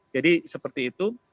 jadi seperti itu